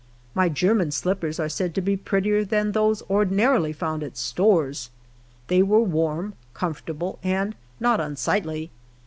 My German slippers are said to be prettier than those ordinarily found at stores. They were warm, comfortable, and not unsightly.